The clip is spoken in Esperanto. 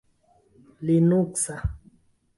linuksa